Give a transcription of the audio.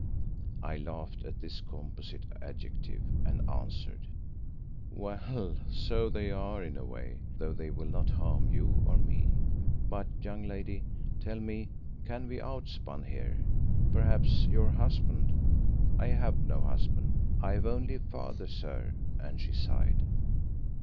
I laughed at this composite adjective and answered, "Well, so they are in a way, though they will not harm you or me. But, young lady, tell me, can we outspan here? Perhaps your husband——" "I have no husband, I have only a father, sir," and she sighed.